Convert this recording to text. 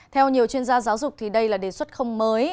theo nhiều chuyên gia giáo dục thì đây là đề xuất không mới